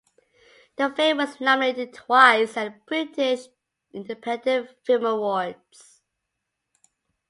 The film was nominated twice at the British Independent Film Awards.